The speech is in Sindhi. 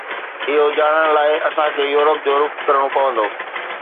اهو ڄاڻڻ لاءِ اسان کي يورپ جو رخ ڪرڻو پوندو